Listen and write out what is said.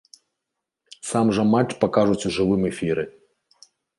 Сам жа матч пакажуць у жывым эфіры.